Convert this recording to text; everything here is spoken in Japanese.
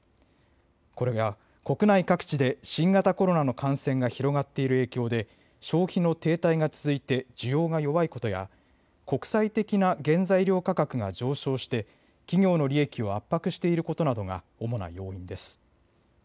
これが国内各地で新型コロナの感染が広がっている影響で消費の停滞が続いて需要が弱いことや国際的な原材料価格が上昇して企業の利益を圧迫していることなどが主な要因です。